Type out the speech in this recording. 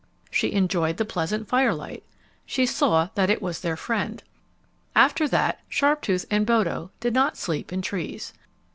She enjoyed the pleasant firelight. She saw that it was their friend. After that Sharptooth and Bodo did not sleep in trees.